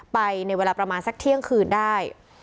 ไปในเวลาประมาณสักเที่ยงคืนได้